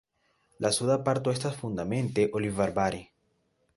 La suda parto estas fundamente olivarbare.